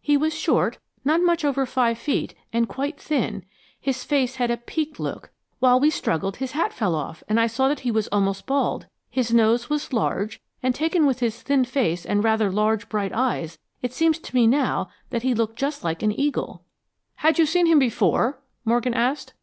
He was short, not much over five feet, and quite thin. His face had a peaked look. While we struggled his hat fell off and I saw that he was almost bald. His nose was large, and taken with his thin face and rather large bright eyes, it seems to me now that he looked just like an eagle." "Had you ever seen him before?" Morgan asked.